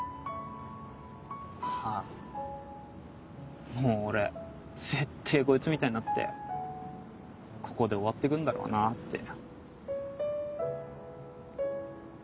あぁもう俺ぜってぇこいつみたいになってここで終わってくんだろうなって。